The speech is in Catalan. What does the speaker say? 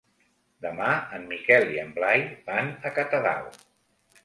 Demà en Miquel i en Blai van a Catadau.